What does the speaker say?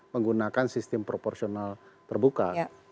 menggunakan sistem proporsional terbuka